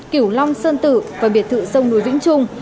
cửu long sơn tử và biệt thự sông núi vĩnh trung